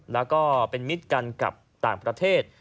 แล้วก็เป็นมิตรกันกับต่างประเทศ